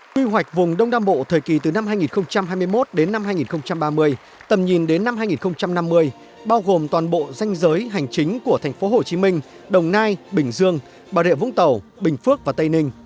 quy hoạch vùng đông nam bộ thời kỳ từ năm hai nghìn hai mươi một đến năm hai nghìn ba mươi tầm nhìn đến năm hai nghìn năm mươi bao gồm toàn bộ danh giới hành chính của tp hcm đồng nai